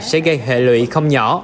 sẽ gây hệ lụy không nhỏ